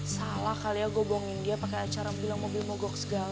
salah kali ya gue bohongin dia pakai acara bilang mobil mogok segala